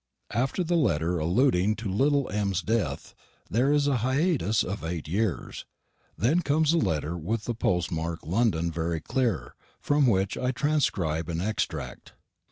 After the letter alluding to little M.'s death, there is a hiatus of eight years. Then comes a letter with the post mark London very clear, from which I transcribe an extract.